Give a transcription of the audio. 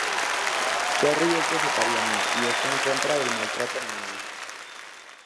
Perry es vegetariano, y está en contra del maltrato animal.